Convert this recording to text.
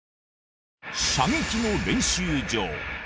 射撃の練習場。